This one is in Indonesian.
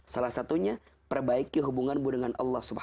salah satunya perbaiki hubunganmu dengan allah swt